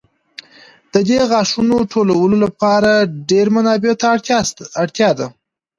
د دې غاښونو ټولولو لپاره ډېرو منابعو ته اړتیا ده.